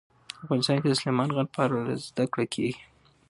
افغانستان کې د سلیمان غر په اړه زده کړه کېږي.